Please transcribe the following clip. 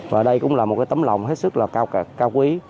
và đây cũng là một tấm lòng hết sức là cao quý